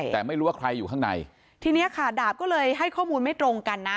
แต่ไม่รู้ว่าใครอยู่ข้างในทีนี้ค่ะดาบก็เลยให้ข้อมูลไม่ตรงกันนะ